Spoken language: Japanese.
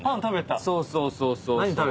そうそうそうそう。